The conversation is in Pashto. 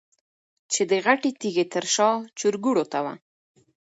چې د غټې تيږې تر شا چرګوړو ته وه.